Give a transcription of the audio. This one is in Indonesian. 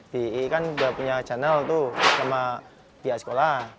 di ie kan sudah punya channel sama pihak sekolah